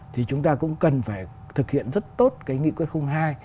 thì chúng ta cũng cần phải thực hiện rất tốt cái nghị quyết hai